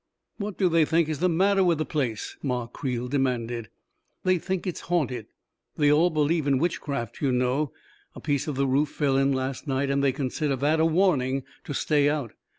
"What do they think is the matter with the place? " Ma Creel demanded. "They think it's haunted — they all believe in witchcraft, you know. A piece of the roof fell in last night, and they consider that a warning to stay out.